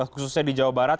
khususnya di jawa barat